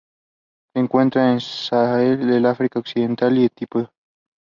Schools provide essential childcare for parents who work at no cost.